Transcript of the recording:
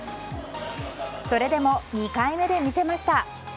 それでも２回目で見せました。